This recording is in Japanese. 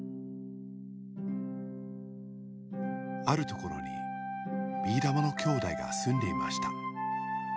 あるところにビーだまの兄弟がすんでいました。